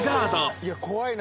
「いや怖いな。